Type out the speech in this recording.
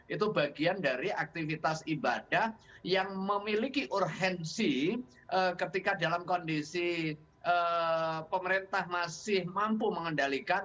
itu bagian dari aktivitas ibadah yang memiliki urgensi ketika dalam kondisi pemerintah masih mampu mengendalikan